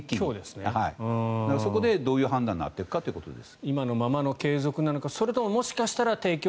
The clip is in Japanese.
そこでどういう判断になっていくかということです。